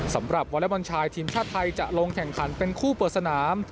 วอเล็กบอลชายทีมชาติไทยจะลงแข่งขันเป็นคู่เปิดสนาม